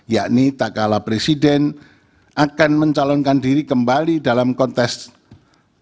yakni tak kalah presiden akan mencalonkan diri kembali dalam kontes